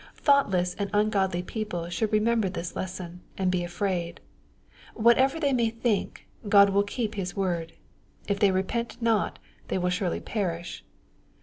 — Thoughtless and ungodly people should remember this lesson, and be afraid. Whatever they may think, God will keep His word. If they repent not, they will surely perish.